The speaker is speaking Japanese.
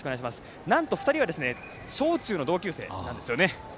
なんと２人は小中の同級生なんですよね。